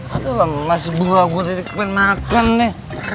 aduh mas bu agung tadi pengen makan neng